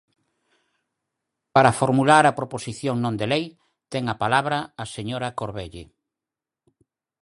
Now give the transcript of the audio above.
Para formular a proposición non de lei ten a palabra a señora Corvelle.